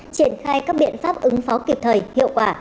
triển khai các biện pháp ứng phó kịp thời hiệu quả